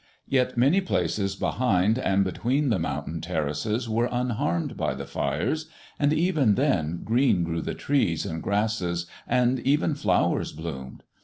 Yet many places behind and between the mountain terraces were unharmed by the fires, and even then green grew the trees and grasses and even flowers bloomed.